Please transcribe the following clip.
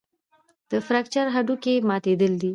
د فراکچر هډوکی ماتېدل دي.